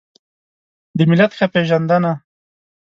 د ملت ښه پېژندنه